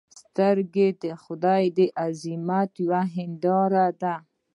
سترګې د خدای د عظمت یوه هنداره ده